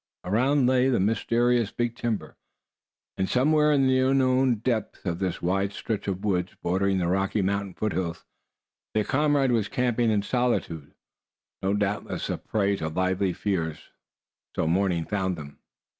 Around lay the mysterious big timber, and somewhere in the unknown depths of this wide stretch of woods bordering the Rocky Mountain foothills their comrade was camping in solitude, doubtless a prey to lively fears. So morning found them.